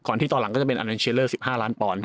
ก่อนที่ต่อหลังก็จะเป็นอันเชลเลอร์๑๕ล้านปอนด์